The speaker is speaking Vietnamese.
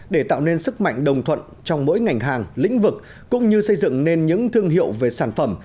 để tạo nên sức mạnh đồng thuận trong mỗi ngành hàng lĩnh vực cũng như xây dựng nên những thương hiệu về sản phẩm